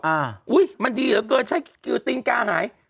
อ่าอุ้ยมันดีเหรอเกินใช้กิลฟีลต์อาหารหาย